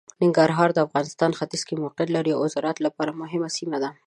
ننګرهار د افغانستان ختیځ کې موقعیت لري او د زراعت لپاره مهمه سیمه ده.